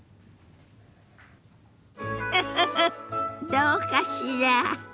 フフフどうかしら？